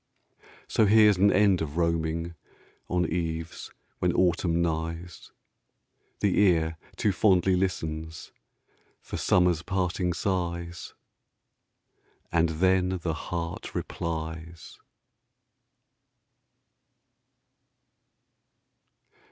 So here's an end of roaming On eves when autumn nighs: The ear too fondly listens For summer's parting sighs, And then the heart replies.